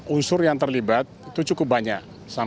unsur yang terlibat itu cukup banyak